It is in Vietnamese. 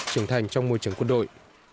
trưởng thành trong môi trường quân đội